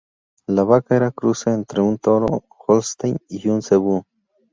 La vaca era un cruce entre un toro Holstein y un cebú.